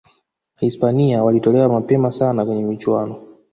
hispania walitolewa nmapema sana kwenye michuano